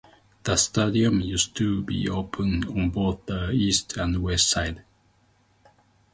The stadium used to be open on both the east and west side.